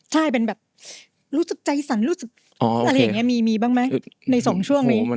ใช่เป็นแบบรู้สึกใจสั่นรู้สึกอะไรอย่างนี้มีบ้างไหมในสองช่วงนี้